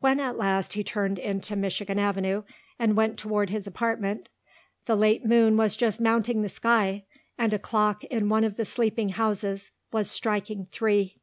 When, at last, he turned into Michigan Avenue and went toward his apartment, the late moon was just mounting the sky and a clock in one of the sleeping houses was striking three.